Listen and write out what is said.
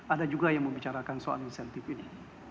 ada juga yang membicarakan soal insentif ini